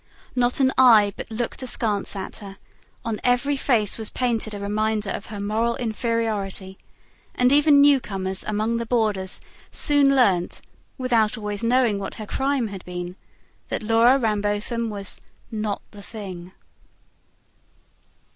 Not an eye but looked askance at her; on every face was painted a reminder of her moral inferiority; and even newcomers among the boarders soon learnt, without always knowing what her crime had been, that Laura Rambotham was "not the thing".